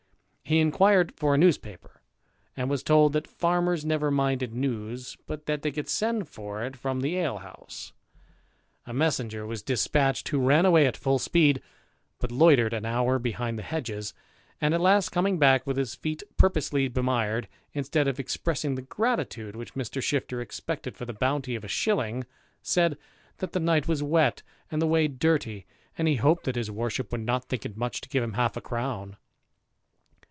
He inquired for a newspaper, and was told that farmers never minded news, but that they could send for it from th« THE IDLER. 321 ale house. A messenger was dispatched, who ran away at foil speed, but loitered an hour behind the hedges, and at last coming back with his feet purposely bemired, instead of expressing the gratitude which Mr. Shifter expected for the bounty of a shilling, said, that the night was wet, and the way dirty, and he hoped that his worship would not think it much to give him half a crown.